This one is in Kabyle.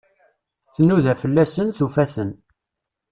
Tnuda fell-asen, tufa-ten.